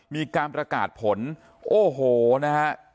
มีการประกาศผลโอ้โหนะฮะ